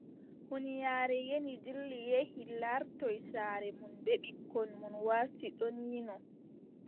Huunyaare yini dilli yehi laartoy saare mum bee ɓikkon mum warti ɗon yino.